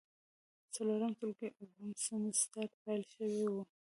څلورم ټولګی او اووم سمستر پیل شوی و.